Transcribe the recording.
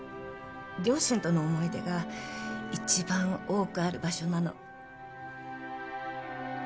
両親との思い出が一番多くある場所なの。